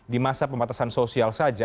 di masa pembatasan sosial saja